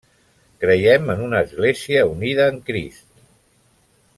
Creiem en una Església unida en Crist.